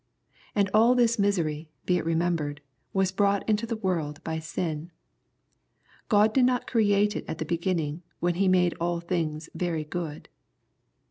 And all this misery, be it remembered, was brought into the world by sin. God did not create it at the beginning, when He made all things " very good.